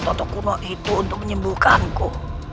toto kuno itu untuk menyembuhkanku